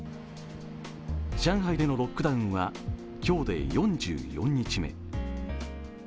上海でのロックダウンは今日で４４日目。